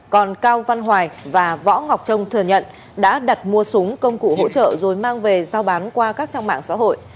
còn cao văn hoài và võ ngọc trung thừa nhận đã đặt mua súng công cụ hỗ trợ rồi mang về giao bán qua các trang mạng xã hội